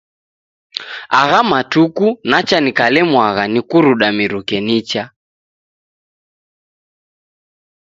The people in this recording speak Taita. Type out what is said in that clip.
Agha matuku nacha nikalemwagha ni kuruda miruke nicha.